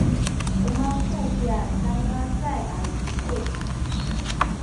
u nu maku kya sanglacay a zikuc.